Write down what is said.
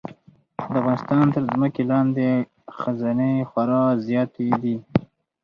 د افغانستان تر ځمکې لاندې خزانې خورا زیاتې دي.